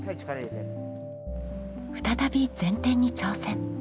再び前転に挑戦。